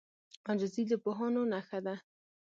عاجزي د پوهانو نښه ده.